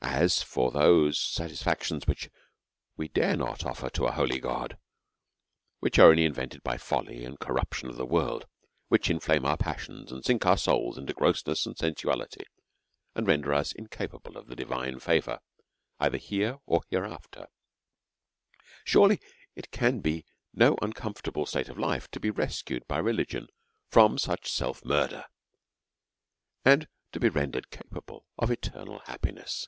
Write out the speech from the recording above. And a? for those satisfactions which we dare not of fer to a holy God^ which are only invented by the fol ly and corruption of the worlds which inttame our passions^ and sink our souls into grossness and sensu ality^ and render us incapable of the divine favour either here or hereafter^ surely it can be no uncom fortable state of life to be rescued by religion from such self murder, and to be rendered capable of eter nal happiness.